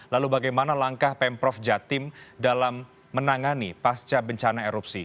lalu bagaimana langkah pemprov jatim dalam menangani pasca bencana erupsi